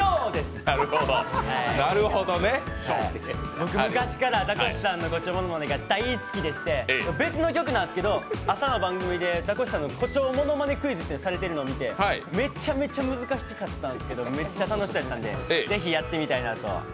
僕、昔からザコシさんの誇張モノマネが大好きでして、別の局なんですけど朝の番組でザコシさんが誇張クイズをされているのを見てめちゃめちゃ難しかったんですけどめっちゃ楽しそうやったんでやってみたいなと。